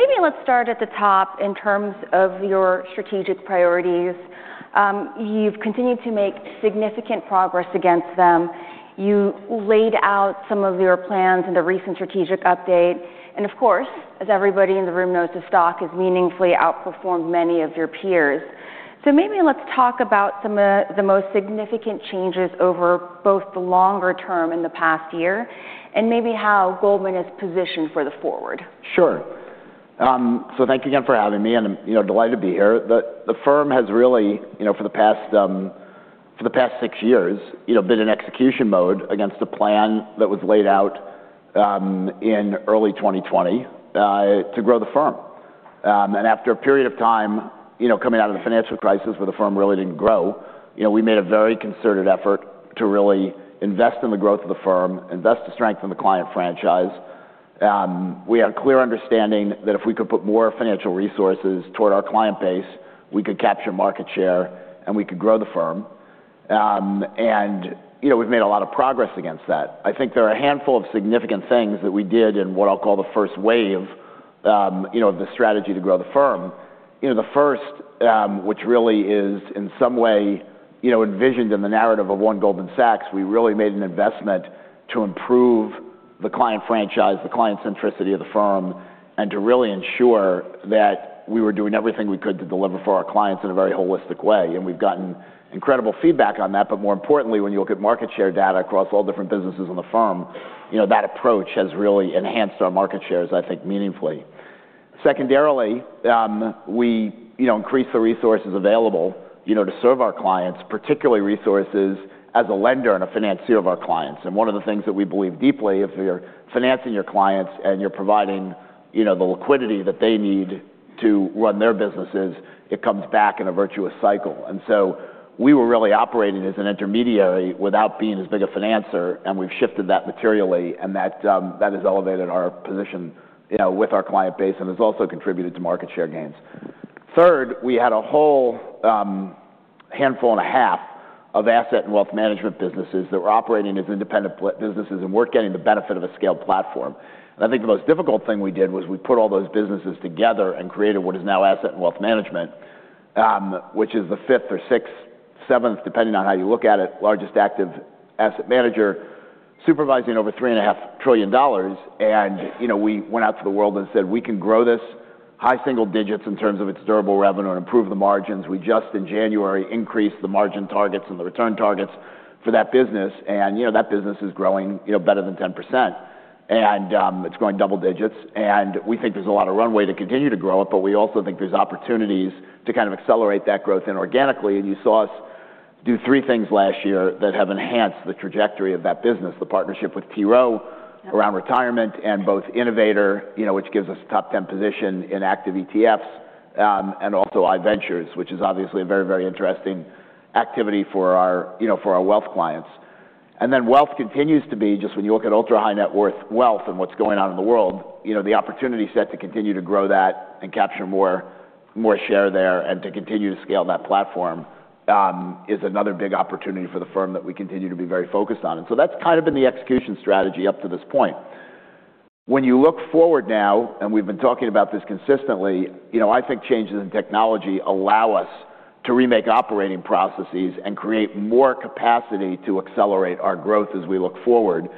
Maybe let's start at the top in terms of your strategic priorities. You've continued to make significant progress against them. You laid out some of your plans in the recent strategic update. Of course, as everybody in the room knows, the stock has meaningfully outperformed many of your peers. Maybe let's talk about some of the most significant changes over both the longer term in the past year and maybe how Goldman is positioned for the forward. Sure. So thank you again for having me. And I'm, you know, delighted to be here. The firm has really, you know, for the past, for the past six years, you know, been in execution mode against a plan that was laid out in early 2020 to grow the firm. And after a period of time, you know, coming out of the financial crisis where the firm really didn't grow, you know, we made a very concerted effort to really invest in the growth of the firm, invest to strengthen the client franchise. We had a clear understanding that if we could put more financial resources toward our client base, we could capture market share, and we could grow the firm. And, you know, we've made a lot of progress against that. I think there are a handful of significant things that we did in what I'll call the first wave, you know, of the strategy to grow the firm. You know, the first, which really is in some way, you know, envisioned in the narrative of One Goldman Sachs, we really made an investment to improve the client franchise, the client centricity of the firm, and to really ensure that we were doing everything we could to deliver for our clients in a very holistic way. And we've gotten incredible feedback on that. But more importantly, when you look at market share data across all different businesses in the firm, you know, that approach has really enhanced our market shares, I think, meaningfully. Secondarily, we, you know, increased the resources available, you know, to serve our clients, particularly resources as a lender and a financier of our clients. One of the things that we believe deeply, if you're financing your clients and you're providing, you know, the liquidity that they need to run their businesses, it comes back in a virtuous cycle. So we were really operating as an intermediary without being as big a financer. We've shifted that materially. That, that has elevated our position, you know, with our client base and has also contributed to market share gains. Third, we had a whole, handful and a half of Asset and Wealth Management businesses that were operating as independent businesses and weren't getting the benefit of a scaled platform. And I think the most difficult thing we did was we put all those businesses together and created what is now Asset and Wealth Management, which is the fifth or sixth, seventh, depending on how you look at it, largest active asset manager supervising over $3.5 trillion. And, you know, we went out to the world and said, "We can grow this high single digits in terms of its durable revenue and improve the margins." We just in January increased the margin targets and the return targets for that business. And, you know, that business is growing, you know, better than 10%. And, it's going double digits. And we think there's a lot of runway to continue to grow it. But we also think there's opportunities to kind of accelerate that growth inorganically. And you saw us do three things last year that have enhanced the trajectory of that business, the partnership with T. Rowe around retirement and both Innovator, you know, which gives us a top 10 position in active ETFs, and also iVentures, which is obviously a very, very interesting activity for our, you know, for our wealth clients. And then wealth continues to be just when you look at ultra-high net worth wealth and what's going on in the world, you know, the opportunity set to continue to grow that and capture more, more share there and to continue to scale that platform, is another big opportunity for the firm that we continue to be very focused on. And so that's kind of been the execution strategy up to this point. When you look forward now, and we've been talking about this consistently, you know, I think changes in technology allow us to remake operating processes and create more capacity to accelerate our growth as we look forward.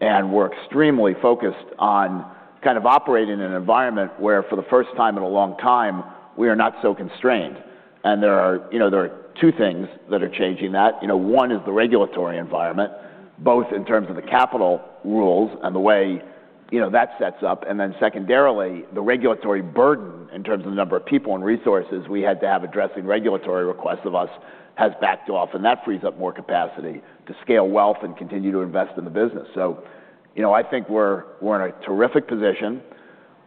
And we're extremely focused on kind of operating in an environment where for the first time in a long time, we are not so constrained. And there are, you know, there are two things that are changing that. You know, one is the regulatory environment, both in terms of the capital rules and the way, you know, that sets up. And then secondarily, the regulatory burden in terms of the number of people and resources we had to have addressing regulatory requests of us has backed off. And that frees up more capacity to scale wealth and continue to invest in the business. So, you know, I think we're in a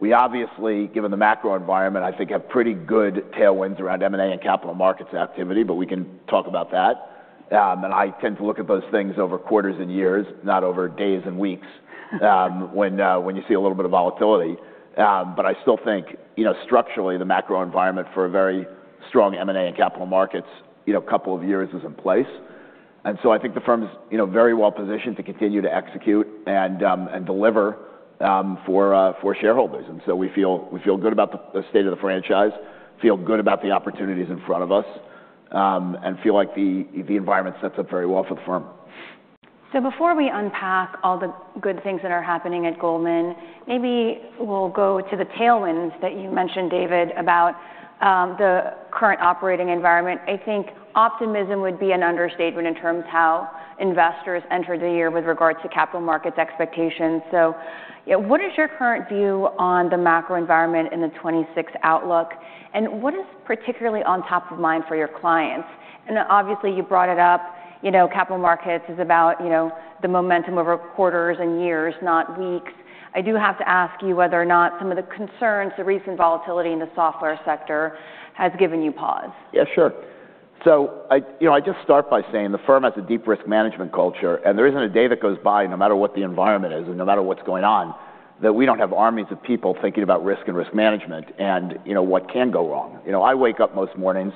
terrific position. We obviously, given the macro environment, I think have pretty good tailwinds around M&A and capital markets activity. But we can talk about that. And I tend to look at those things over quarters and years, not over days and weeks, when you see a little bit of volatility. But I still think, you know, structurally, the macro environment for a very strong M&A and capital markets, you know, couple of years is in place. And so I think the firm's, you know, very well positioned to continue to execute and deliver for shareholders. And so we feel good about the state of the franchise, feel good about the opportunities in front of us, and feel like the environment sets up very well for the firm. So before we unpack all the good things that are happening at Goldman, maybe we'll go to the tailwinds that you mentioned, David, about the current operating environment. I think optimism would be an understatement in terms of how investors entered the year with regards to capital markets expectations. So, you know, what is your current view on the macro environment in the 2026 outlook? And what is particularly on top of mind for your clients? And obviously, you brought it up. You know, capital markets is about, you know, the momentum over quarters and years, not weeks. I do have to ask you whether or not some of the concerns, the recent volatility in the software sector, has given you pause. Yeah, sure. So I, you know, I just start by saying the firm has a deep risk management culture. There isn't a day that goes by no matter what the environment is and no matter what's going on that we don't have armies of people thinking about risk and risk management and, you know, what can go wrong. You know, I wake up most mornings,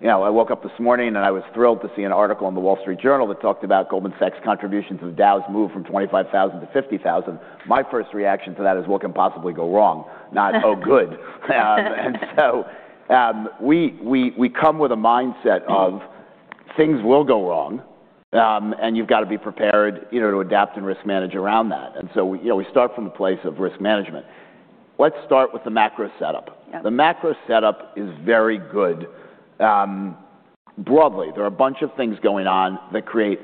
you know, I woke up this morning, and I was thrilled to see an article in the Wall Street Journal that talked about Goldman Sachs' contribution to the Dow's move from 25,000 to 50,000. My first reaction to that is, "What can possibly go wrong?" Not, "Oh, good." So, we come with a mindset of things will go wrong. You've got to be prepared, you know, to adapt and risk manage around that. And so we, you know, we start from a place of risk management. Let's start with the macro setup. Yeah. The macro setup is very good. Broadly, there are a bunch of things going on that create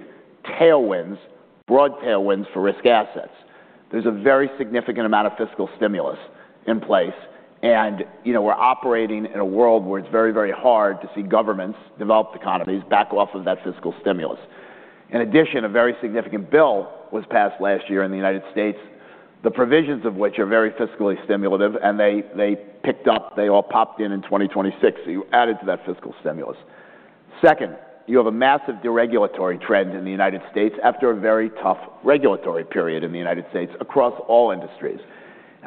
tailwinds, broad tailwinds for risk assets. There's a very significant amount of fiscal stimulus in place. You know, we're operating in a world where it's very, very hard to see governments develop economies back off of that fiscal stimulus. In addition, a very significant bill was passed last year in the United States, the provisions of which are very fiscally stimulative. They, they picked up, they all popped in in 2026, added to that fiscal stimulus. Second, you have a massive deregulatory trend in the United States after a very tough regulatory period in the United States across all industries.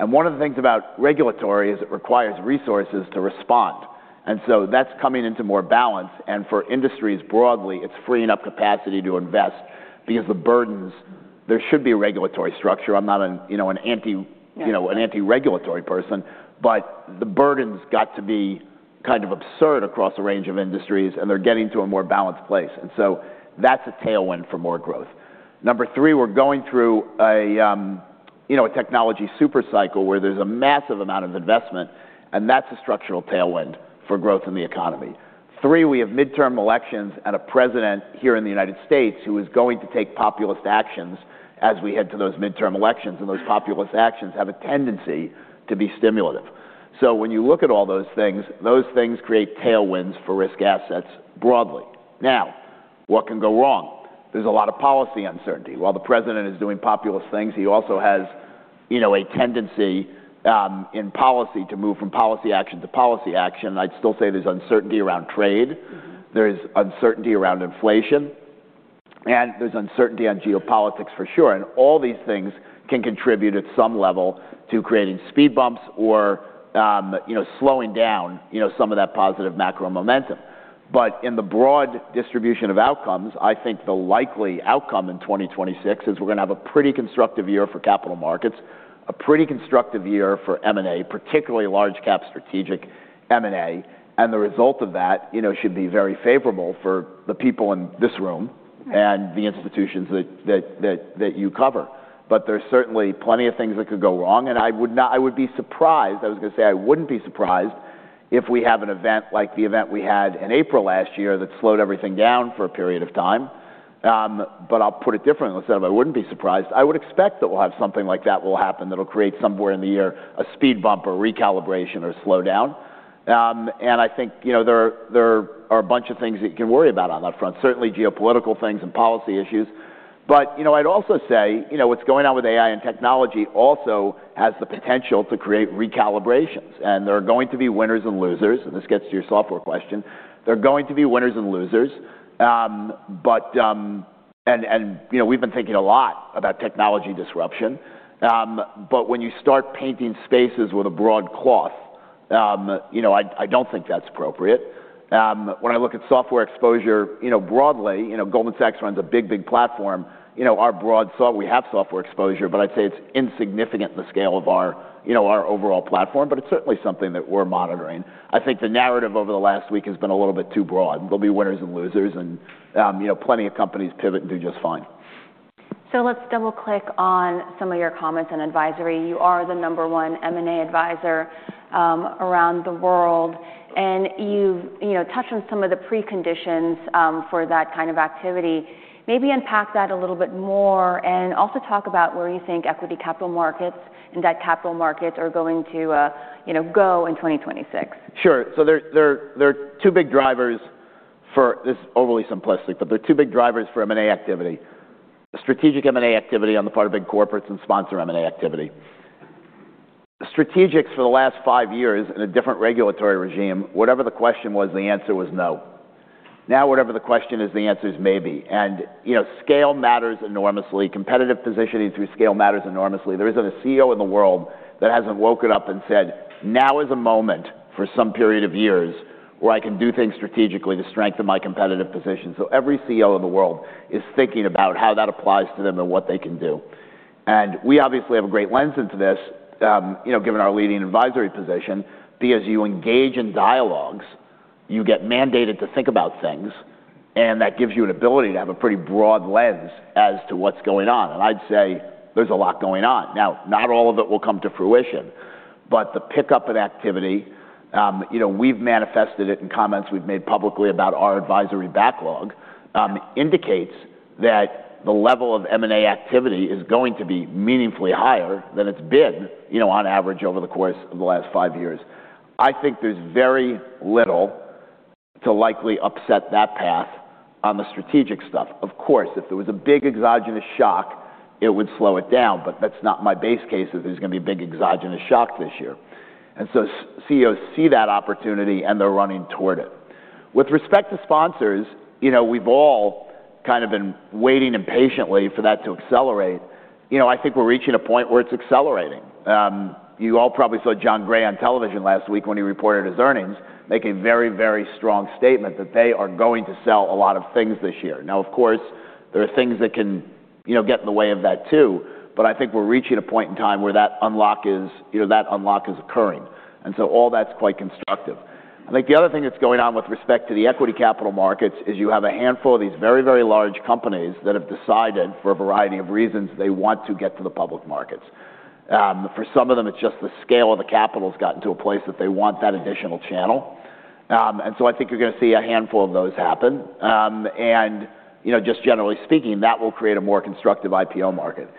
One of the things about regulatory is it requires resources to respond. So that's coming into more balance. For industries broadly, it's freeing up capacity to invest because the burdens, there should be a regulatory structure. I'm not an, you know, an anti, you know, an anti-regulatory person. But the burdens got to be kind of absurd across a range of industries. They're getting to a more balanced place. So that's a tailwind for more growth. Number three, we're going through a, you know, a technology supercycle where there's a massive amount of investment. That's a structural tailwind for growth in the economy. Three, we have midterm elections and a president here in the United States who is going to take populist actions as we head to those midterm elections. Those populist actions have a tendency to be stimulative. So when you look at all those things, those things create tailwinds for risk assets broadly. Now, what can go wrong? There's a lot of policy uncertainty. While the president is doing populist things, he also has, you know, a tendency, in policy to move from policy action to policy action. I'd still say there's uncertainty around trade. There is uncertainty around inflation. There's uncertainty on geopolitics for sure. All these things can contribute at some level to creating speed bumps or, you know, slowing down, you know, some of that positive macro momentum. But in the broad distribution of outcomes, I think the likely outcome in 2026 is we're going to have a pretty constructive year for capital markets, a pretty constructive year for M&A, particularly large-cap strategic M&A. The result of that, you know, should be very favorable for the people in this room and the institutions that you cover. But there's certainly plenty of things that could go wrong. And I would not, I would be surprised, I was going to say I wouldn't be surprised if we have an event like the event we had in April last year that slowed everything down for a period of time. But I'll put it differently. Instead of I wouldn't be surprised, I would expect that we'll have something like that will happen that'll create somewhere in the year a speed bump or recalibration or slowdown. And I think, you know, there, there are a bunch of things that you can worry about on that front, certainly geopolitical things and policy issues. But, you know, I'd also say, you know, what's going on with AI and technology also has the potential to create recalibrations. And there are going to be winners and losers. And this gets to your software question. There are going to be winners and losers. You know, we've been thinking a lot about technology disruption. But when you start painting spaces with a broad cloth, you know, I don't think that's appropriate. When I look at software exposure, you know, broadly, you know, Goldman Sachs runs a big, big platform. You know, our broad so we have software exposure. But I'd say it's insignificant in the scale of our, you know, our overall platform. But it's certainly something that we're monitoring. I think the narrative over the last week has been a little bit too broad. There'll be winners and losers. And, you know, plenty of companies pivot and do just fine. So let's double-click on some of your comments on advisory. You are the number one M&A advisor around the world. And you've, you know, touched on some of the preconditions for that kind of activity. Maybe unpack that a little bit more and also talk about where you think equity capital markets and debt capital markets are going to, you know, go in 2026. Sure. So there're two big drivers for this is overly simplistic, but there are two big drivers for M&A activity, strategic M&A activity on the part of big corporates and sponsor M&A activity. Strategics for the last five years in a different regulatory regime, whatever the question was, the answer was no. Now, whatever the question is, the answer is maybe. And, you know, scale matters enormously. Competitive positioning through scale matters enormously. There isn't a CEO in the world that hasn't woken up and said, "Now is a moment for some period of years where I can do things strategically to strengthen my competitive position." So every CEO in the world is thinking about how that applies to them and what they can do. We obviously have a great lens into this, you know, given our leading advisory position, because you engage in dialogues, you get mandated to think about things. That gives you an ability to have a pretty broad lens as to what's going on. I'd say there's a lot going on. Now, not all of it will come to fruition. But the pickup of activity, you know, we've manifested it in comments we've made publicly about our advisory backlog, indicates that the level of M&A activity is going to be meaningfully higher than it's been, you know, on average over the course of the last five years. I think there's very little to likely upset that path on the strategic stuff. Of course, if there was a big exogenous shock, it would slow it down. But that's not my base case. There's going to be a big exogenous shock this year. And so CEOs see that opportunity, and they're running toward it. With respect to sponsors, you know, we've all kind of been waiting impatiently for that to accelerate. You know, I think we're reaching a point where it's accelerating. You all probably saw Jon Gray on television last week when he reported his earnings, making a very, very strong statement that they are going to sell a lot of things this year. Now, of course, there are things that can, you know, get in the way of that too. But I think we're reaching a point in time where that unlock is, you know, that unlock is occurring. And so all that's quite constructive. I think the other thing that's going on with respect to the equity capital markets is you have a handful of these very, very large companies that have decided for a variety of reasons they want to get to the public markets. For some of them, it's just the scale of the capital's gotten to a place that they want that additional channel. So I think you're going to see a handful of those happen. You know, just generally speaking, that will create a more constructive IPO market.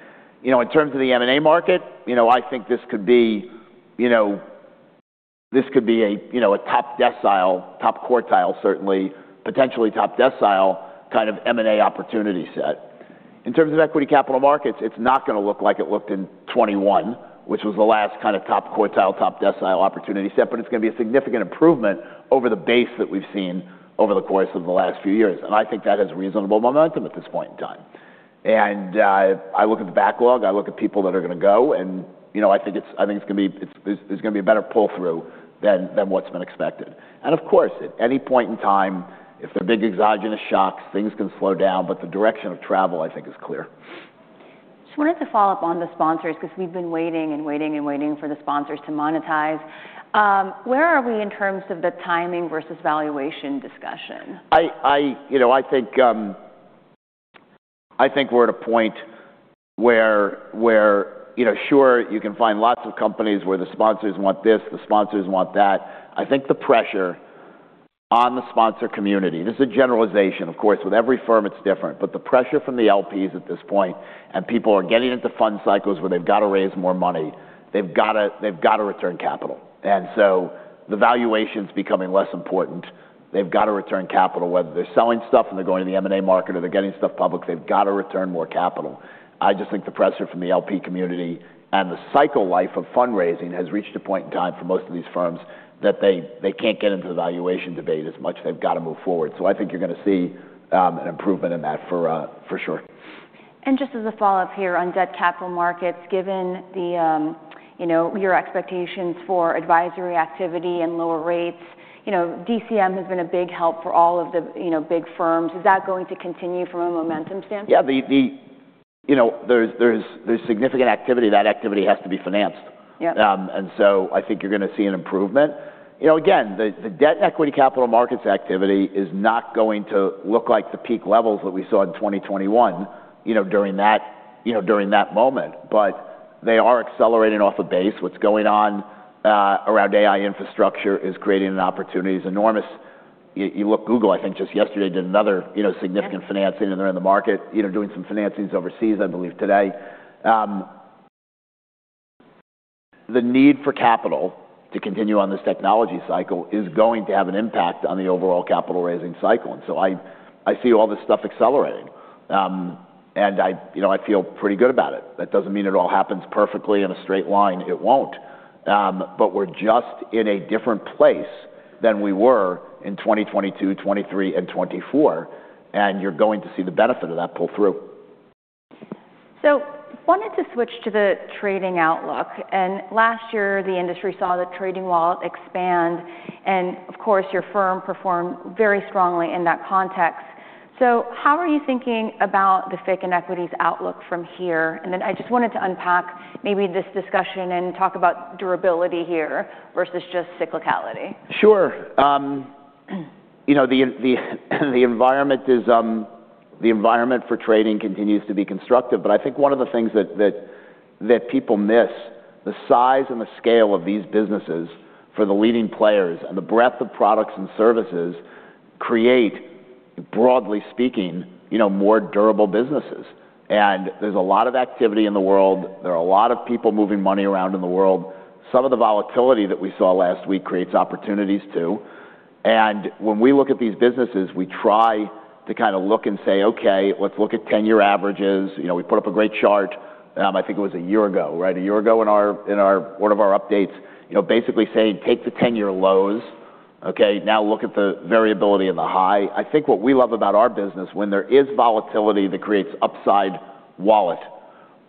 You know, in terms of the M&A market, you know, I think this could be, you know, this could be a, you know, a top decile, top quartile, certainly, potentially top decile kind of M&A opportunity set. In terms of equity capital markets, it's not going to look like it looked in 2021, which was the last kind of top quartile, top decile opportunity set. But it's going to be a significant improvement over the base that we've seen over the course of the last few years. I think that has reasonable momentum at this point in time. I look at the backlog. I look at people that are going to go. You know, I think it's going to be, there's going to be a better pull-through than what's been expected. Of course, at any point in time, if there are big exogenous shocks, things can slow down. But the direction of travel, I think, is clear. I just wanted to follow up on the sponsors because we've been waiting and waiting and waiting for the sponsors to monetize. Where are we in terms of the timing versus valuation discussion? You know, I think we're at a point where, you know, sure, you can find lots of companies where the sponsors want this, the sponsors want that. I think the pressure on the sponsor community, this is a generalization, of course, with every firm, it's different. But the pressure from the LPs at this point, and people are getting into fund cycles where they've got to raise more money, they've got to return capital. And so the valuation's becoming less important. They've got to return capital. Whether they're selling stuff and they're going to the M&A market or they're getting stuff public, they've got to return more capital. I just think the pressure from the LP community and the cycle life of fundraising has reached a point in time for most of these firms that they, they can't get into the valuation debate as much. They've got to move forward. So I think you're going to see an improvement in that for sure. Just as a follow-up here on debt capital markets, given the, you know, your expectations for advisory activity and lower rates, you know, DCM has been a big help for all of the, you know, big firms. Is that going to continue from a momentum standpoint? Yeah, the, you know, there's significant activity. That activity has to be financed. Yeah. And so I think you're going to see an improvement. You know, again, the debt and equity capital markets activity is not going to look like the peak levels that we saw in 2021, you know, during that moment. But they are accelerating off a base. What's going on around AI infrastructure is creating an opportunity that's enormous. You look, Google, I think, just yesterday did another, you know, significant financing, and they're in the market, you know, doing some financings overseas, I believe, today. The need for capital to continue on this technology cycle is going to have an impact on the overall capital raising cycle. And so I see all this stuff accelerating. And I, you know, I feel pretty good about it. That doesn't mean it all happens perfectly in a straight line. It won't. But we're just in a different place than we were in 2022, 2023, and 2024. And you're going to see the benefit of that pull-through. Wanted to switch to the trading outlook. Last year, the industry saw the trading wallet expand. Of course, your firm performed very strongly in that context. How are you thinking about the FIC and equities outlook from here? I just wanted to unpack maybe this discussion and talk about durability here versus just cyclicality. Sure. You know, the environment for trading continues to be constructive. But I think one of the things that people miss, the size and the scale of these businesses for the leading players and the breadth of products and services create, broadly speaking, you know, more durable businesses. And there's a lot of activity in the world. There are a lot of people moving money around in the world. Some of the volatility that we saw last week creates opportunities too. And when we look at these businesses, we try to kind of look and say, "Okay, let's look at 10-year averages." You know, we put up a great chart. I think it was a year ago, right? A year ago in one of our updates, you know, basically saying, "Take the 10-year lows, okay? Now look at the variability in the high." I think what we love about our business, when there is volatility that creates upside wallet,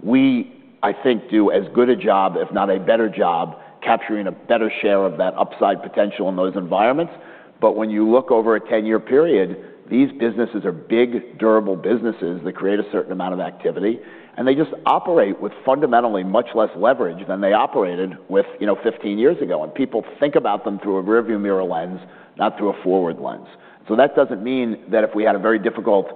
we, I think, do as good a job, if not a better job, capturing a better share of that upside potential in those environments. But when you look over a 10-year period, these businesses are big, durable businesses that create a certain amount of activity. They just operate with fundamentally much less leverage than they operated with, you know, 15 years ago. People think about them through a rearview mirror lens, not through a forward lens. So that doesn't mean that if we had a very difficult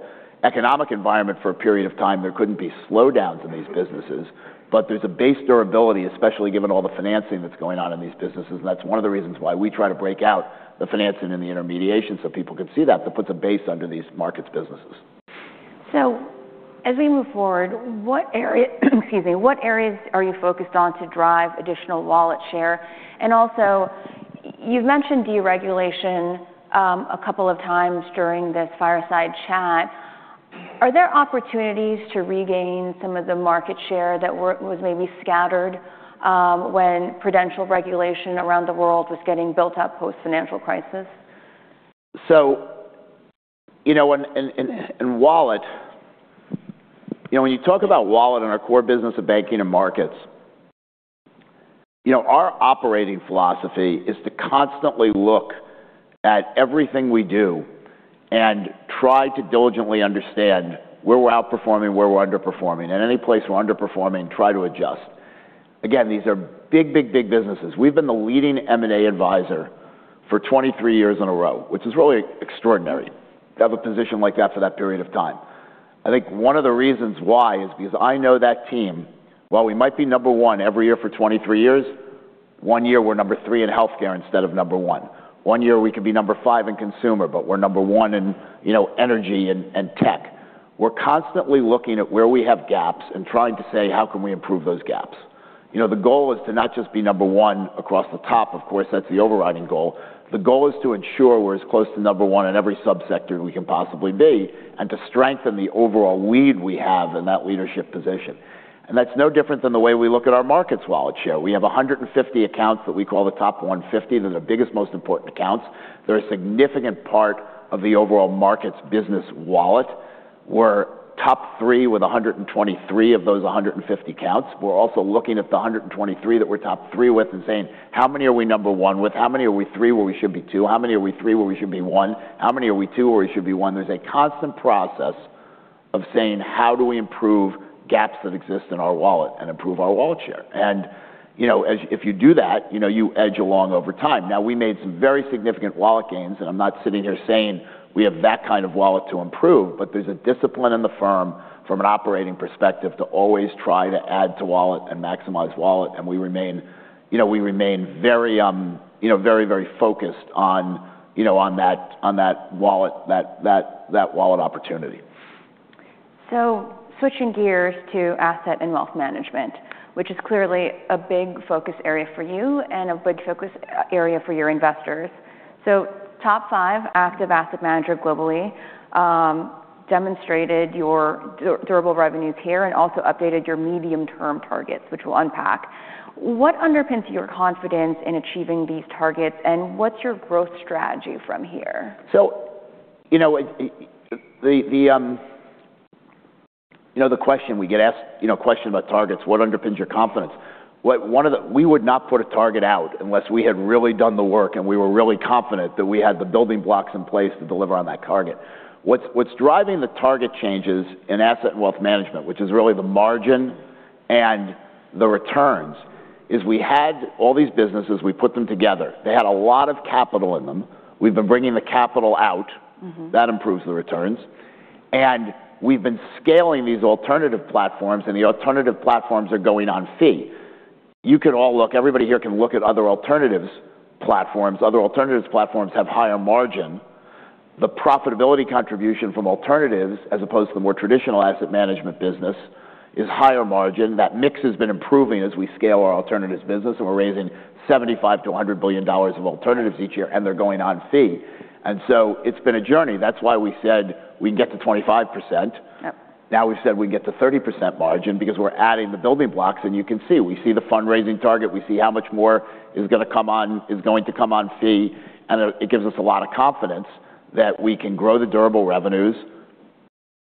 economic environment for a period of time, there couldn't be slowdowns in these businesses. But there's a base durability, especially given all the financing that's going on in these businesses. That's one of the reasons why we try to break out the financing and the intermediation so people could see that that puts a base under these markets' businesses. So as we move forward, what area, excuse me, what areas are you focused on to drive additional wallet share? And also, you've mentioned deregulation, a couple of times during this fireside chat. Are there opportunities to regain some of the market share that was maybe scattered, when prudential regulation around the world was getting built up post-financial crisis? So, you know, in wallet, you know, when you talk about wallet and our core business of banking and markets, you know, our operating philosophy is to constantly look at everything we do and try to diligently understand where we're outperforming, where we're underperforming. And any place we're underperforming, try to adjust. Again, these are big, big, big businesses. We've been the leading M&A advisor for 23 years in a row, which is really extraordinary to have a position like that for that period of time. I think one of the reasons why is because I know that team, while we might be number one every year for 23 years, one year we're number three in healthcare instead of number one. One year we could be number five in consumer, but we're number one in, you know, energy and tech. We're constantly looking at where we have gaps and trying to say, "How can we improve those gaps?" You know, the goal is to not just be number one across the top. Of course, that's the overriding goal. The goal is to ensure we're as close to number one in every subsector we can possibly be and to strengthen the overall lead we have in that leadership position. And that's no different than the way we look at our markets' wallet share. We have 150 accounts that we call the top 150 that are the biggest, most important accounts. They're a significant part of the overall markets' business wallet. We're top three with 123 of those 150 accounts. We're also looking at the 123 that we're top three with and saying, "How many are we number one with? How many are we three where we should be two? How many are we three where we should be one? How many are we two where we should be one?" There's a constant process of saying, "How do we improve gaps that exist in our wallet and improve our wallet share?" And, you know, as if you do that, you know, you edge along over time. Now, we made some very significant wallet gains. And I'm not sitting here saying we have that kind of wallet to improve. But there's a discipline in the firm from an operating perspective to always try to add to wallet and maximize wallet. And we remain, you know, we remain very, you know, very, very focused on, you know, on that, on that wallet, that, that, that wallet opportunity. So switching gears to Asset and Wealth Management, which is clearly a big focus area for you and a big focus area for your investors. So top five, active Asset Manager globally, demonstrated your durable revenues here and also updated your medium-term targets, which we'll unpack. What underpins your confidence in achieving these targets? And what's your growth strategy from here? So, you know, the question we get asked, you know, a question about targets, what underpins your confidence? What one of the we would not put a target out unless we had really done the work and we were really confident that we had the building blocks in place to deliver on that target. What's driving the target changes in Asset and Wealth Management, which is really the margin and the returns, is we had all these businesses. We put them together. They had a lot of capital in them. We've been bringing the capital out. That improves the returns. And we've been scaling these alternative platforms. And the alternative platforms are going on fee. You could all look, everybody here can look at other alternative platforms. Other alternative platforms have higher margin. The profitability contribution from alternatives as opposed to the more traditional Asset Management business is higher margin. That mix has been improving as we scale our alternatives business. We're raising $75 billion to $100 billion of alternatives each year. They're going on fee. So it's been a journey. That's why we said we can get to 25%. Now, we've said we can get to 30% margin because we're adding the building blocks. You can see, we see the fundraising target. We see how much more is going to come on, is going to come on fee. It gives us a lot of confidence that we can grow the durable revenues,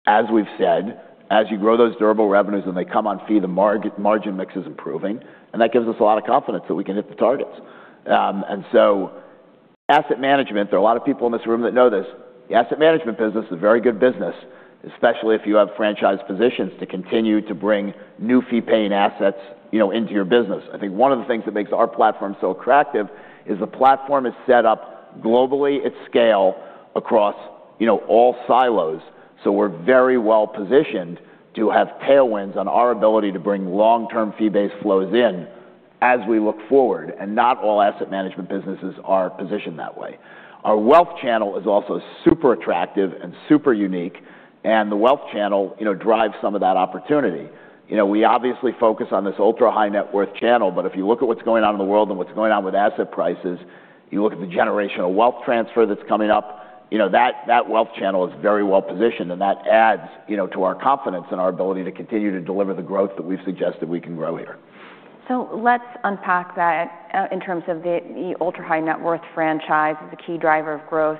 as we've said. As you grow those durable revenues and they come on fee, the margin mix is improving. That gives us a lot of confidence that we can hit the targets. And so, Asset Management, there are a lot of people in this room that know this. The Asset Management business is a very good business, especially if you have franchise positions to continue to bring new fee-paying assets, you know, into your business. I think one of the things that makes our platform so attractive is the platform is set up globally at scale across, you know, all silos. So we're very well positioned to have tailwinds on our ability to bring long-term fee-based flows in as we look forward. And not all Asset Management businesses are positioned that way. Our wealth channel is also super attractive and super unique. And the wealth channel, you know, drives some of that opportunity. You know, we obviously focus on this ultra-high net worth channel. But if you look at what's going on in the world and what's going on with Asset prices, you look at the generational wealth transfer that's coming up, you know, that wealth channel is very well positioned. And that adds, you know, to our confidence and our ability to continue to deliver the growth that we've suggested we can grow here. So let's unpack that in terms of the ultra-high net worth franchise as a key driver of growth.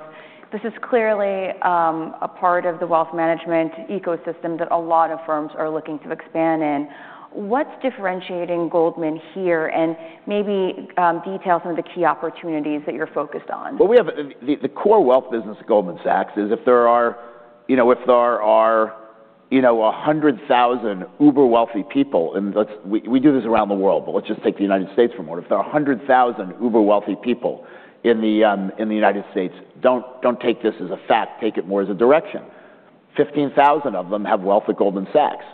This is clearly a part of the wealth management ecosystem that a lot of firms are looking to expand in. What's differentiating Goldman here? And maybe detail some of the key opportunities that you're focused on. Well, we have the core wealth business at Goldman Sachs is if there are, you know, 100,000 ultra-wealthy people, and let's, we do this around the world, but let's just take the United States for one. If there are 100,000 ultra-wealthy people in the United States, don't take this as a fact. Take it more as a direction. 15,000 of them have wealth at Goldman Sachs.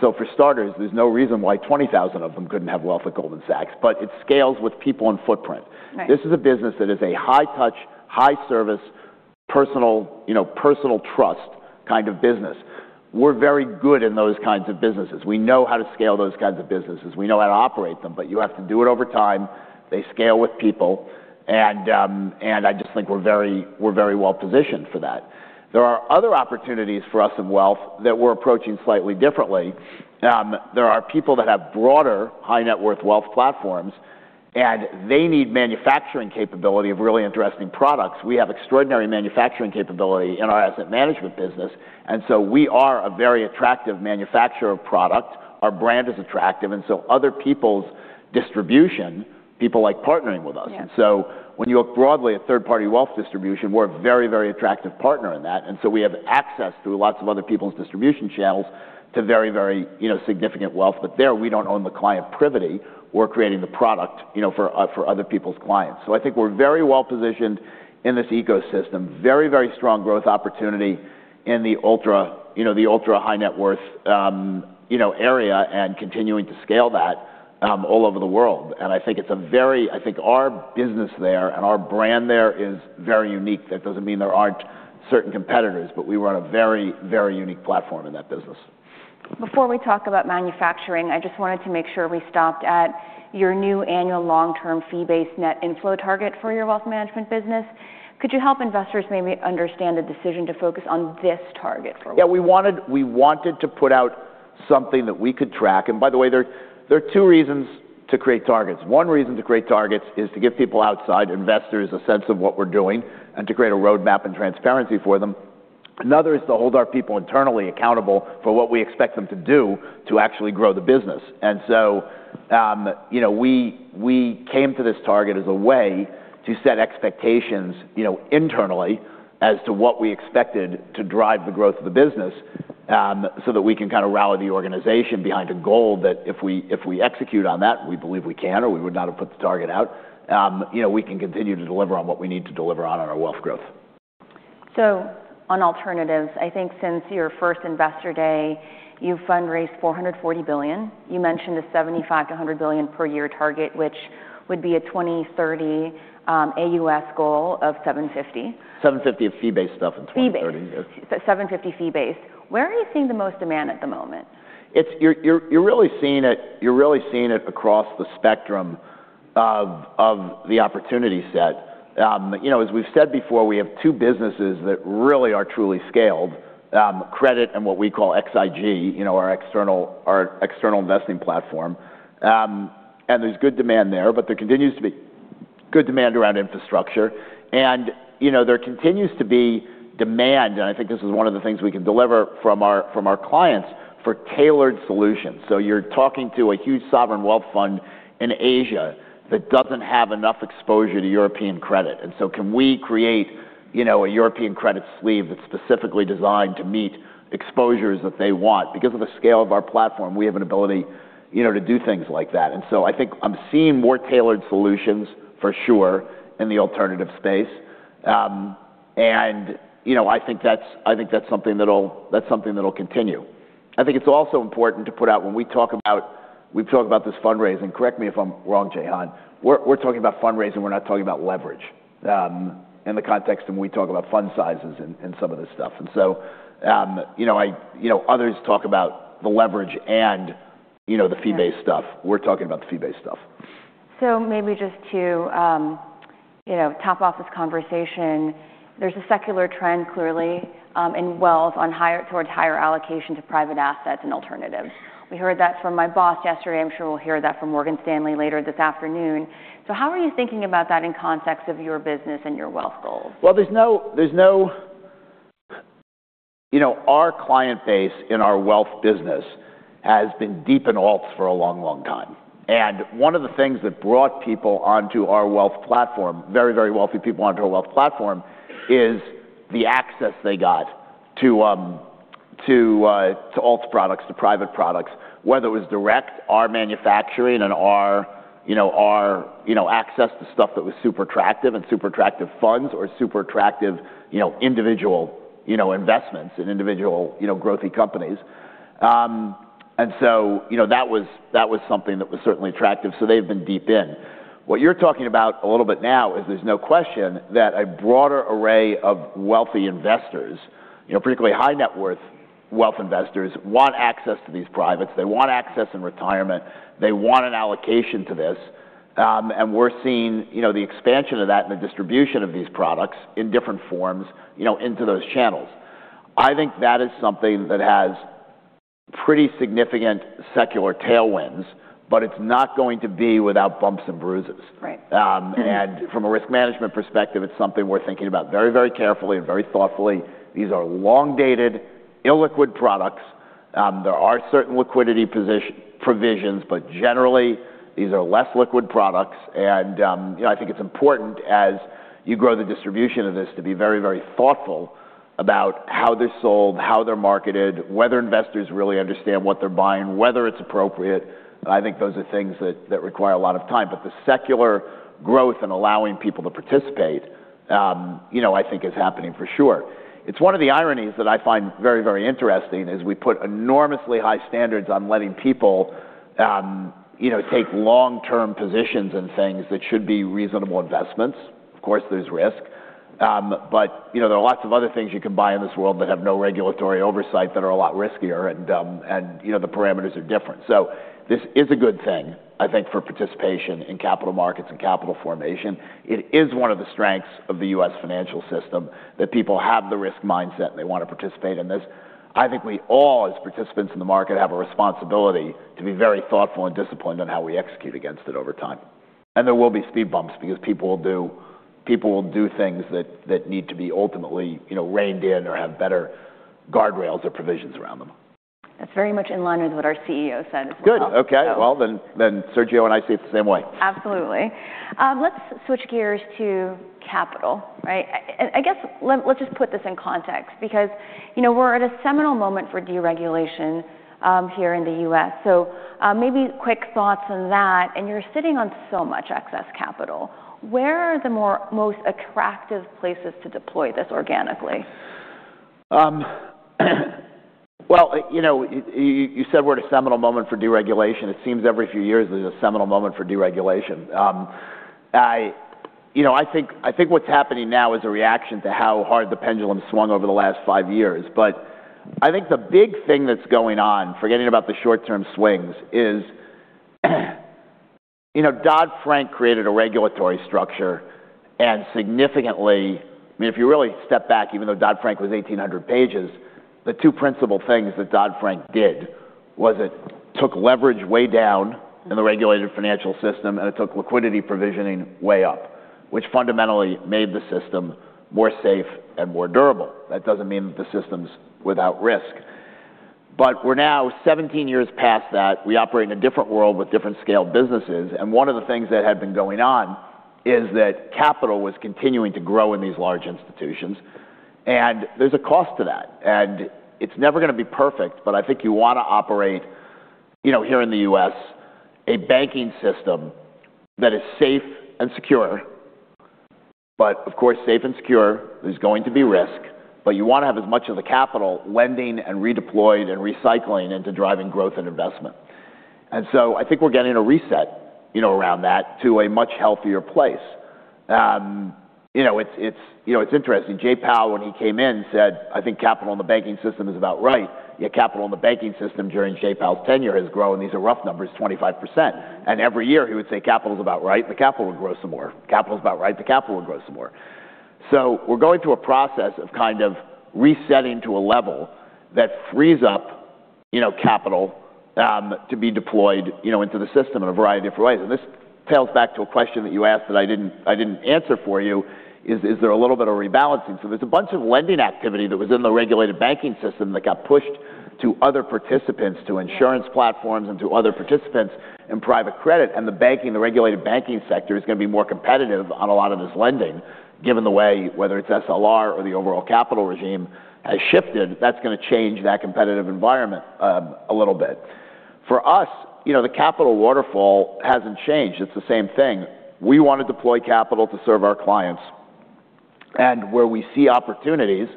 So for starters, there's no reason why 20,000 of them couldn't have wealth at Goldman Sachs. But it scales with people and footprint. This is a business that is a high touch, high service, personal, you know, personal trust kind of business. We're very good in those kinds of businesses. We know how to scale those kinds of businesses. We know how to operate them. But you have to do it over time. They scale with people. I just think we're very well positioned for that. There are other opportunities for us in wealth that we're approaching slightly differently. There are people that have broader high net worth wealth platforms. They need manufacturing capability of really interesting products. We have extraordinary manufacturing capability in our Asset Management business. So we are a very attractive manufacturer of product. Our brand is attractive. So other people's distribution, people like partnering with us. When you look broadly at third-party wealth distribution, we're a very attractive partner in that. So we have access through lots of other people's distribution channels to very, you know, significant wealth. But there, we don't own the client relationship. We're creating the product, you know, for other people's clients. I think we're very well positioned in this ecosystem, very, very strong growth opportunity in the ultra, you know, the ultra-high net worth, you know, area and continuing to scale that, all over the world. I think it's a very, I think our business there and our brand there is very unique. That doesn't mean there aren't certain competitors. We run a very, very unique platform in that business. Before we talk about manufacturing, I just wanted to make sure we stopped at your new annual long-term fee-based net inflow target for your wealth management business. Could you help investors maybe understand the decision to focus on this target for wealth? Yeah. We wanted, we wanted to put out something that we could track. And by the way, there're, there are two reasons to create targets. One reason to create targets is to give people outside, investors, a sense of what we're doing and to create a roadmap and transparency for them. Another is to hold our people internally accountable for what we expect them to do to actually grow the business. And so, you know, we came to this target as a way to set expectations, you know, internally as to what we expected to drive the growth of the business, so that we can kind of rally the organization behind a goal that if we execute on that, we believe we can, or we would not have put the target out, you know, we can continue to deliver on what we need to deliver on, on our wealth growth. On alternatives, I think since your first investor day, you've fundraised $440 billion. You mentioned a $75 to $100 billion per year target, which would be a 2030 AUS goal of $750. $750 of fee-based stuff in 2030. Fee-based. $750 fee-based. Where are you seeing the most demand at the moment? You're really seeing it across the spectrum of the opportunity set. You know, as we've said before, we have two businesses that really are truly scaled, Credit and what we call XIG, you know, our external investing platform. And there's good demand there. But there continues to be good demand around infrastructure. And, you know, there continues to be demand. And I think this is one of the things we can deliver from our clients for tailored solutions. So you're talking to a huge sovereign wealth fund in Asia that doesn't have enough exposure to European credit. And so can we create, you know, a European credit sleeve that's specifically designed to meet exposures that they want? Because of the scale of our platform, we have an ability, you know, to do things like that. So I think I'm seeing more tailored solutions for sure in the alternative space. You know, I think that's, I think that's something that'll, that's something that'll continue. I think it's also important to put out when we talk about, we talk about this fundraising, correct me if I'm wrong, Jehan, we're, we're talking about fundraising. We're not talking about leverage, in the context in which we talk about fund sizes and, and some of this stuff. You know, I, you know, others talk about the leverage and, you know, the fee-based stuff. We're talking about the fee-based stuff. Maybe just to, you know, top off this conversation, there's a secular trend clearly in wealth, towards higher allocation to private assets and alternatives. We heard that from my boss yesterday. I'm sure we'll hear that from Morgan Stanley later this afternoon. So how are you thinking about that in context of your business and your wealth goals? Well, there's no, there's no, you know, our client base in our wealth business has been deep in alts for a long, long time. And one of the things that brought people onto our wealth platform, very, very wealthy people onto our wealth platform, is the access they got to, to, to alts products, to private products, whether it was direct, our manufacturing, and our, you know, our, you know, access to stuff that was super attractive and super attractive funds or super attractive, you know, individual, you know, investments and individual, you know, growthy companies. So, you know, that was, that was something that was certainly attractive. So they've been deep in. What you're talking about a little bit now is there's no question that a broader array of wealthy investors, you know, particularly high net worth wealth investors, want access to these privates. They want access in retirement. They want an allocation to this. And we're seeing, you know, the expansion of that and the distribution of these products in different forms, you know, into those channels. I think that is something that has pretty significant secular tailwinds. But it's not going to be without bumps and bruises. Right. From a risk management perspective, it's something we're thinking about very, very carefully and very thoughtfully. These are long-dated, illiquid products. There are certain liquidity provisions. But generally, these are less liquid products. And, you know, I think it's important as you grow the distribution of this to be very, very thoughtful about how they're sold, how they're marketed, whether investors really understand what they're buying, whether it's appropriate. And I think those are things that, that require a lot of time. But the secular growth and allowing people to participate, you know, I think is happening for sure. It's one of the ironies that I find very, very interesting is we put enormously high standards on letting people, you know, take long-term positions in things that should be reasonable investments. Of course, there's risk. But, you know, there are lots of other things you can buy in this world that have no regulatory oversight that are a lot riskier. And you know, the parameters are different. So this is a good thing, I think, for participation in capital markets and capital formation. It is one of the strengths of the U.S. financial system that people have the risk mindset and they want to participate in this. I think we all, as participants in the market, have a responsibility to be very thoughtful and disciplined on how we execute against it over time. And there will be speed bumps because people will do things that need to be ultimately, you know, reined in or have better guardrails or provisions around them. That's very much in line with what our CEO said as well. Good. Okay. Well, then Sergio and I see it the same way. Absolutely. Let's switch gears to capital, right? And I guess let's just put this in context because, you know, we're at a seminal moment for deregulation here in the U.S. So, maybe quick thoughts on that. And you're sitting on so much excess capital. Where are the most attractive places to deploy this organically? Well, you know, you, you said we're at a seminal moment for deregulation. It seems every few years there's a seminal moment for deregulation. I, you know, I think, I think what's happening now is a reaction to how hard the pendulum swung over the last five years. But I think the big thing that's going on, forgetting about the short-term swings, is, you know, Dodd-Frank created a regulatory structure and significantly, I mean, if you really step back, even though Dodd-Frank was 1,800 pages, the two principal things that Dodd-Frank did was it took leverage way down in the regulated financial system, and it took liquidity provisioning way up, which fundamentally made the system more safe and more durable. That doesn't mean that the system's without risk. But we're now 17 years past that. We operate in a different world with different scale businesses. One of the things that had been going on is that capital was continuing to grow in these large institutions. There's a cost to that. It's never going to be perfect. But I think you want to operate, you know, here in the U.S., a banking system that is safe and secure. But of course, safe and secure, there's going to be risk. But you want to have as much of the capital lending and redeployed and recycling into driving growth and investment. So I think we're getting a reset, you know, around that to a much healthier place. You know, it's interesting. Jay Powell, when he came in, said, "I think capital in the banking system is about right." Yet capital in the banking system during Jay Powell's tenure has grown. These are rough numbers, 25%. Every year, he would say, "Capital's about right." The capital would grow some more. "Capital's about right." The capital would grow some more. We're going through a process of kind of resetting to a level that frees up, you know, capital, to be deployed, you know, into the system in a variety of different ways. This tails back to a question that you asked that I didn't, I didn't answer for you is, is there a little bit of rebalancing? There's a bunch of lending activity that was in the regulated banking system that got pushed to other participants, to insurance platforms and to other participants in private credit. The banking, the regulated banking sector is going to be more competitive on a lot of this lending given the way, whether it's SLR or the overall capital regime has shifted. That's going to change that competitive environment, a little bit. For us, you know, the capital waterfall hasn't changed. It's the same thing. We want to deploy capital to serve our clients. And where we see opportunities,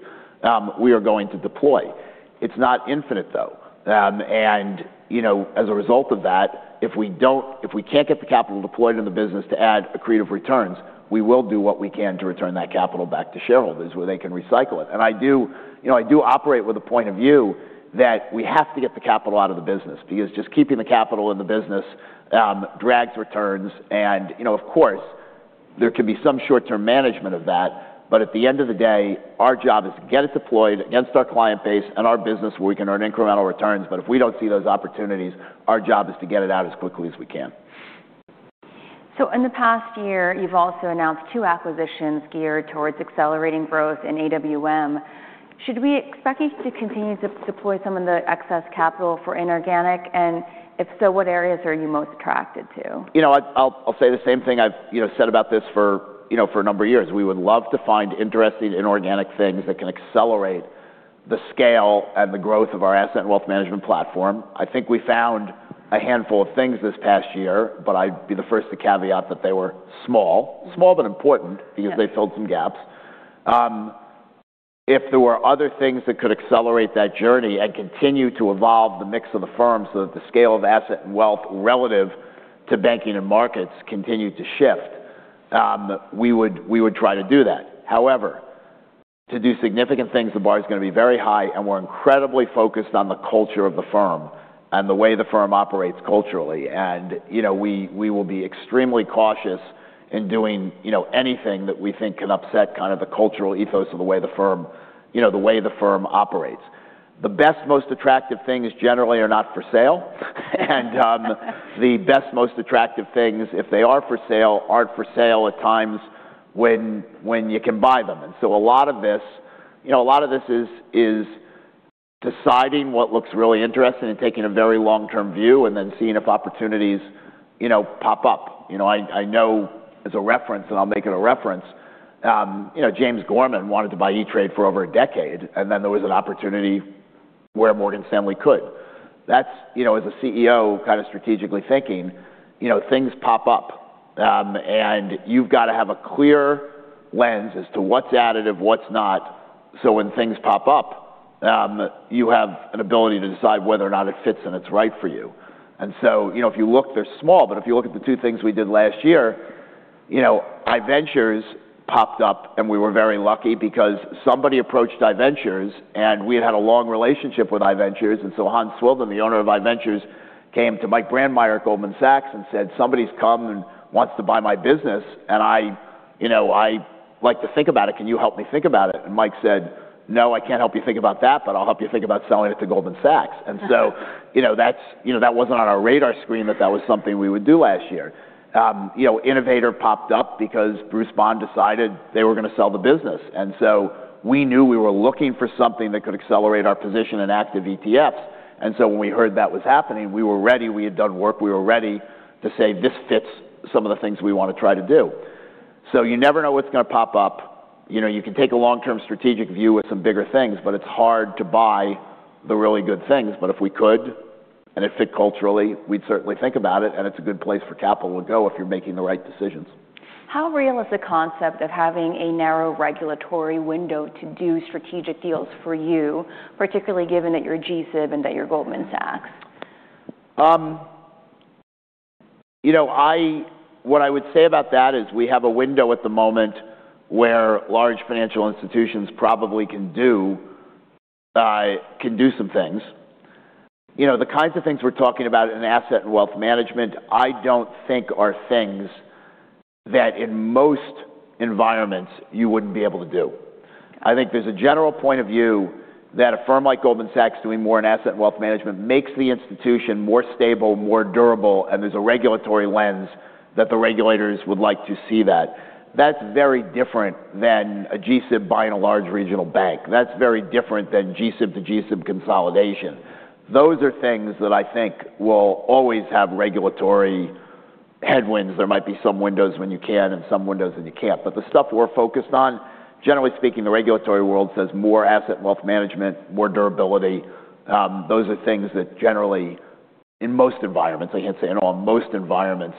we are going to deploy. It's not infinite, though. And, you know, as a result of that, if we don't, if we can't get the capital deployed in the business to add accretive returns, we will do what we can to return that capital back to shareholders where they can recycle it. And I do, you know, I do operate with a point of view that we have to get the capital out of the business because just keeping the capital in the business, drags returns. And, you know, of course, there can be some short-term management of that. At the end of the day, our job is to get it deployed against our client base and our business where we can earn incremental returns. If we don't see those opportunities, our job is to get it out as quickly as we can. In the past year, you've also announced two acquisitions geared toward accelerating growth in AWM. Should we expect you to continue to deploy some of the excess capital for inorganic? If so, what areas are you most attracted to? You know, I'll say the same thing I've, you know, said about this for, you know, for a number of years. We would love to find interesting inorganic things that can accelerate the scale and the growth of our Asset and Wealth Management platform. I think we found a handful of things this past year. But I'd be the first to caveat that they were small, small but important because they filled some gaps. If there were other things that could accelerate that journey and continue to evolve the mix of the firms so that the scale of Asset and Wealth relative to banking and markets continue to shift, we would, we would try to do that. However, to do significant things, the bar is going to be very high. And we're incredibly focused on the culture of the firm and the way the firm operates culturally. And, you know, we will be extremely cautious in doing, you know, anything that we think can upset kind of the cultural ethos of the way the firm, you know, the way the firm operates. The best, most attractive things generally are not for sale. And, the best, most attractive things, if they are for sale, aren't for sale at times when you can buy them. And so a lot of this, you know, a lot of this is deciding what looks really interesting and taking a very long-term view and then seeing if opportunities, you know, pop up. You know, I know as a reference, and I'll make it a reference, you know, James Gorman wanted to buy E*TRADE for over a decade. And then there was an opportunity where Morgan Stanley could. That's, you know, as a CEO kind of strategically thinking, you know, things pop up. And you've got to have a clear lens as to what's additive, what's not. So when things pop up, you have an ability to decide whether or not it fits and it's right for you. And so, you know, if you look, they're small. But if you look at the two things we did last year, you know, iVentures popped up. And we were very lucky because somebody approached iVentures. And we had had a long relationship with iVentures. And so Hans Swildens, the owner of iVentures, came to Mike Brandmeyer at Goldman Sachs and said, "Somebody's come and wants to buy my business. And I, you know, I like to think about it. Can you help me think about it?" And Mike said, "No, I can't help you think about that. But I'll help you think about selling it to Goldman Sachs." And so, you know, that's, you know, that wasn't on our radar screen that that was something we would do last year. You know, Innovator popped up because Bruce Bond decided they were going to sell the business. And so we knew we were looking for something that could accelerate our position in active ETFs. And so when we heard that was happening, we were ready. We had done work. We were ready to say, "This fits some of the things we want to try to do." So you never know what's going to pop up. You know, you can take a long-term strategic view with some bigger things. But it's hard to buy the really good things. But if we could and it fit culturally, we'd certainly think about it. It's a good place for capital to go if you're making the right decisions. How real is the concept of having a narrow regulatory window to do strategic deals for you, particularly given that you're G-SIB and that you're Goldman Sachs? You know, what I would say about that is we have a window at the moment where large financial institutions probably can do some things. You know, the kinds of things we're talking about in Asset and Wealth Management, I don't think are things that in most environments you wouldn't be able to do. I think there's a general point of view that a firm like Goldman Sachs doing more in Asset and Wealth Management makes the institution more stable, more durable. There's a regulatory lens that the regulators would like to see that. That's very different than a G-SIB buying a large regional bank. That's very different than G-SIB to G-SIB consolidation. Those are things that I think will always have regulatory headwinds. There might be some windows when you can and some windows when you can't. But the stuff we're focused on, generally speaking, the regulatory world says more Asset and Wealth Management, more durability. Those are things that generally, in most environments, I can't say in all, in most environments,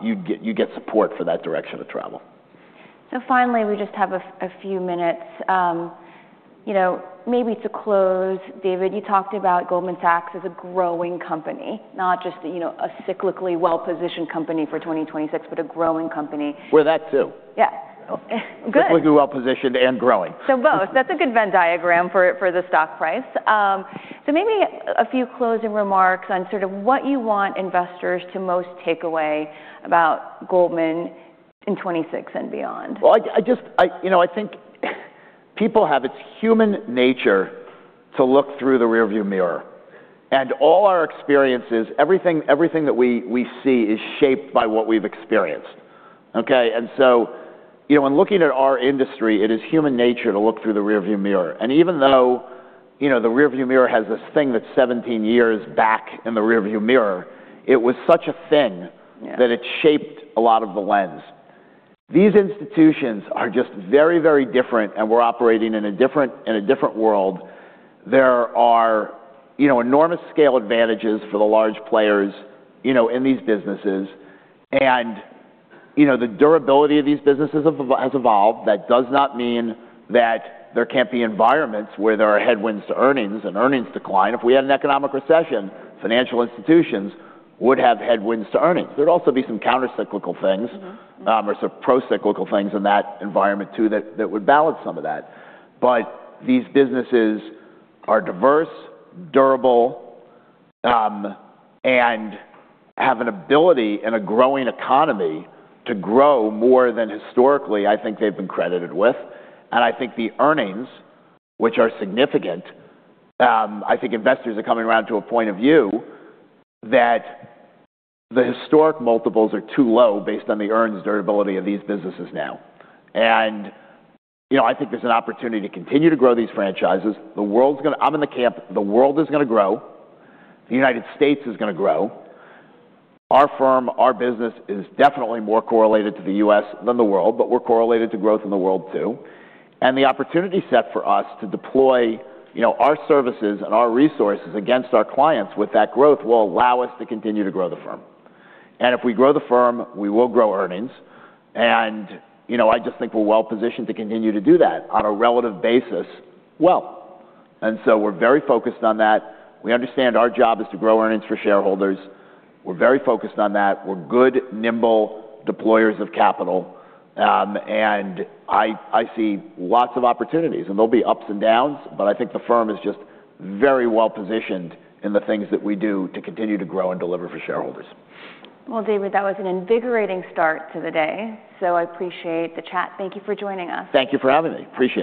you'd get, you get support for that direction of travel. So finally, we just have a few minutes. You know, maybe to close, David, you talked about Goldman Sachs as a growing company, not just, you know, a cyclically well-positioned company for 2026 but a growing company. We're that too. Yeah. Good. Cyclically well-positioned and growing. So both. That's a good Venn diagram for the stock price. So maybe a few closing remarks on sort of what you want investors to most take away about Goldman in 2026 and beyond. Well, I just, you know, I think people have, it's human nature to look through the rearview mirror. And all our experiences, everything that we see is shaped by what we've experienced, okay? And so, you know, when looking at our industry, it is human nature to look through the rearview mirror. And even though, you know, the rearview mirror has this thing that's 17 years back in the rearview mirror, it was such a thing that it shaped a lot of the lens. These institutions are just very, very different. And we're operating in a different world. There are, you know, enormous scale advantages for the large players, you know, in these businesses. And, you know, the durability of these businesses has evolved. That does not mean that there can't be environments where there are headwinds to earnings and earnings decline. If we had an economic recession, financial institutions would have headwinds to earnings. There'd also be some countercyclical things, or some procyclical things in that environment too that would balance some of that. But these businesses are diverse, durable, and have an ability in a growing economy to grow more than historically, I think, they've been credited with. And I think the earnings, which are significant, I think investors are coming around to a point of view that the historic multiples are too low based on the earnings durability of these businesses now. And, you know, I think there's an opportunity to continue to grow these franchises. The world's going to, I'm in the camp, the world is going to grow. The United States is going to grow. Our firm, our business is definitely more correlated to the U.S. than the world. But we're correlated to growth in the world too. And the opportunity set for us to deploy, you know, our services and our resources against our clients with that growth will allow us to continue to grow the firm. And if we grow the firm, we will grow earnings. And, you know, I just think we're well-positioned to continue to do that on a relative basis well. And so we're very focused on that. We understand our job is to grow earnings for shareholders. We're very focused on that. We're good, nimble deployers of capital. And I, I see lots of opportunities. And there'll be ups and downs. But I think the firm is just very well-positioned in the things that we do to continue to grow and deliver for shareholders. Well, David, that was an invigorating start to the day. I appreciate the chat. Thank you for joining us. Thank you for having me. Appreciate it.